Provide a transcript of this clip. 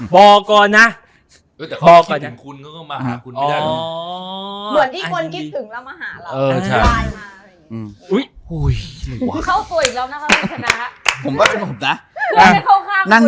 บอกก่อนนะ